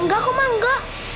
enggak kok ma enggak